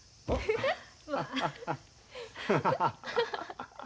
ハハハハ。